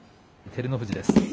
照ノ富士です。